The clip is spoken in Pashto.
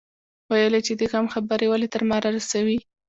ويل يې چې د غم خبرې ولې تر ما رارسوي.